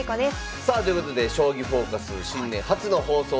さあということで「将棋フォーカス」新年初の放送となります。